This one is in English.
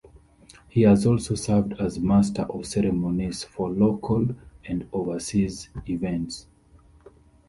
He has also served as Master of Ceremonies for local and overseas events.